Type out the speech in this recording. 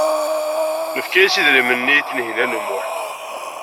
Nefka-as idrimen-nni i Tinhinan u Muḥ.